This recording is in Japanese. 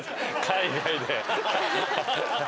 海外で。